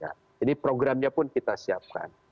jadi programnya pun kita siapkan